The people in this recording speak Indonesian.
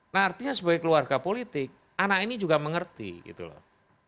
nah artinya sebagai keluarga politik anak ini juga mengerti gitu loh